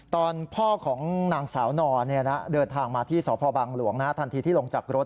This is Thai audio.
ตอนพ่อของนางสาวนอนเดินทางมาที่สพบังหลวงทันทีที่ลงจากรถ